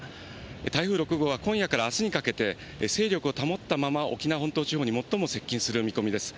台風６号は今夜から勢力を保ったまま、沖縄本島地方に最も接近する見込みです。